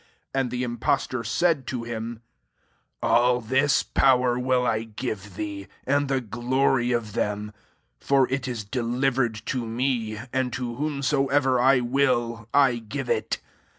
6 And the impostor said to him, *< All this power I will give thee, and the glory of them : for it is deliver ed to me, and to whomsoever I will I give it.